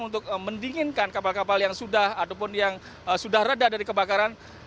untuk mendinginkan kapal kapal yang sudah ataupun yang sudah reda dari kebakaran